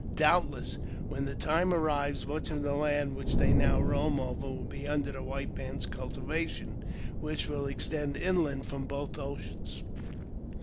Doubtless, when that tmie arrives, much of the land which they now roam over will be under the white man's cultivation, which will extend inland from both oceans.